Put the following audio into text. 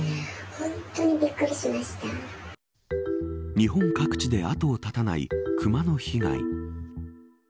日本各地で、あとを絶たない熊の被害。